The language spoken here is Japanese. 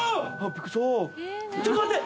一回ちょっと待って！